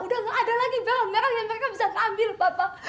udah nggak ada lagi barang merah yang mereka bisa ambil papa